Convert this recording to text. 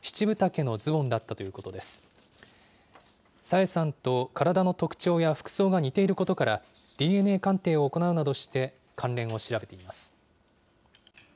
朝芽さんと体の特徴や服装が似ていることから、ＤＮＡ鑑定を行うなどして関連を調べています。